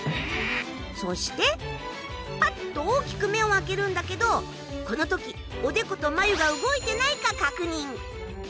そしてぱっと大きく目を開けるんだけどこの時おでことまゆが動いてないか確認。